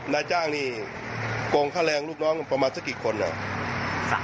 นายจ้างนี่โกงค่าแรงลูกน้องประมาณสักกี่คนเหรอ